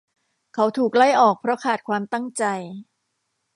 เขาถูกไล่ออกเพราะขาดความตั้งใจ